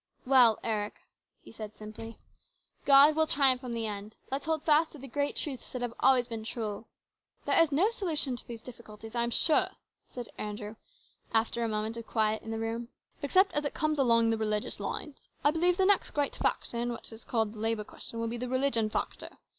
" Well, Eric," he said simply, " God will triumph in the end. Let's hold fast to the great truths that have always been true." " There is no solution of these difficulties, I am 204 HIS BROTHER'S KEEPER. sure," said Andrew, after a moment of quiet in the room, "except as it comes along the religious lines. I believe the next great factor in what is called the labour question will be the religious factor.